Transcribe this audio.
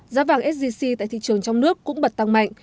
giá vàng sgc tại thị trường trong nước cũng bật tăng mạnh